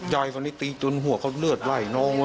ใจไปตีจนหัวเค้าเลือดไหล่น้อง